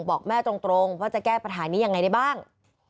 บอกแม่ตรงว่าจะแก้ปัญหานี้ยังไงได้บ้าง